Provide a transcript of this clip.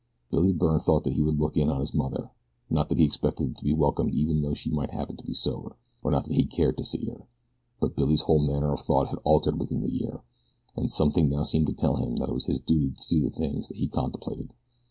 Billy Byrne thought that he would look in on his mother, not that he expected to be welcomed even though she might happen to be sober, or not that he cared to see her; but Billy's whole manner of thought had altered within the year, and something now seemed to tell him that it was his duty to do the thing he contemplated.